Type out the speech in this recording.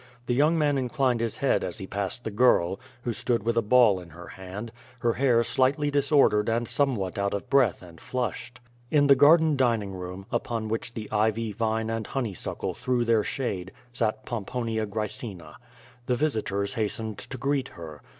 The young man inclined his head as he passed the girl, who stood with a ball in her hand, her hair slightly disordered and somewhat out of breath and flushed. In the garden dining room, upon which the ivy, vine and honeysuckle threw their shade, sat Pomponia Graecina. The visitors hastened to greet her.